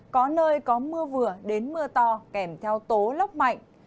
có nơi có mưa vừa đến mưa to kèm theo tố lốc mạnh